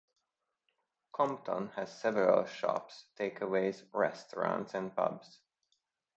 Compton has several shops, take-aways, restaurants and pubs.